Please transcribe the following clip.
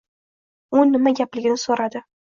U nima gapligini soʻradi.